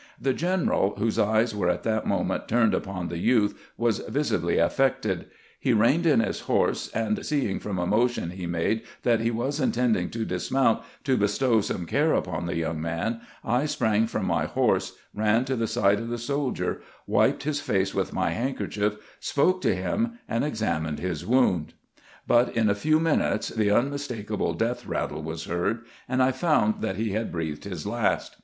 " The general, whose eyes were at that moment turned upon the youth, was visi bly affected. He reined in his horse, and seeing from a motion he made that he was intending to dismount to bestow some care upon the young man, I sprang from my horse, ran to the side of the soldier, wiped his face with my handkerchief, spoke to him, and examined his wound ; but in a few minutes the unmistakable death rattle was heard, and I found that he had breathed his last.